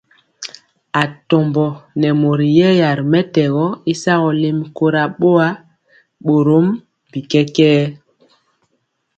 Atombo nɛ mori yɛya ri mɛtɛgɔ y sagɔ lɛmi kora boa, borom bi kɛkɛɛ.